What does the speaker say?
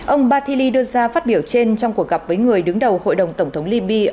ông batili đưa ra phát biểu trên trong cuộc gặp với người đứng đầu hội đồng tổng thống liby